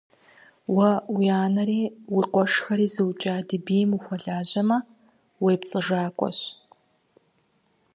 Уэ уи анэри уи къуэшхэри зыукӀа ди бийм ухуэлажьэмэ, уепцӀыжакӀуэщ!